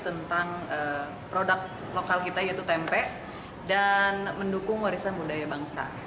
tentang produk lokal kita yaitu tempe dan mendukung warisan budaya bangsa